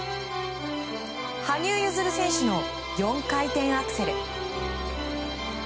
羽生結弦選手の４回転アクセル。